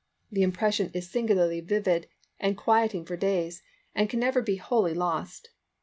The impression is singularly vivid and quieting for days, and can never be wholly lost.